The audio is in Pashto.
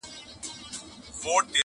ورپسې د لويو لويو جنرالانو.!